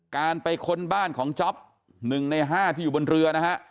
การไปค้นบ้านของจ๊อป๑ใน๕ที่อยู่บนเรือนะฮะ